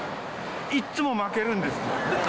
いつも負けるんですよ。